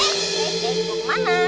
eh eh mau kemana